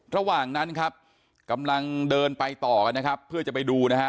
ระหว่างนั้นครับกำลังเดินไปต่อกันนะครับเพื่อจะไปดูนะฮะ